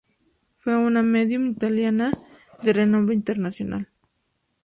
Fue una medium italiana de renombre internacional.